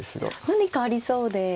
何かありそうで。